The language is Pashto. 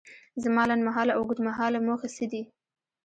زما لنډ مهاله او اوږد مهاله موخې څه دي؟